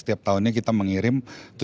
setiap tahunnya kita mengirim